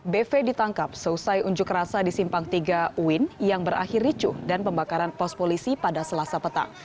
bv ditangkap selesai unjuk rasa di simpang tiga uin yang berakhir ricuh dan pembakaran pos polisi pada selasa petang